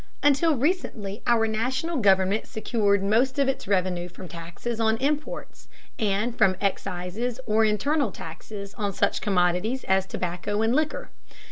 Until recently our national government secured most of its revenue from taxes on imports, and from excises or internal taxes on such commodities as tobacco and liquor.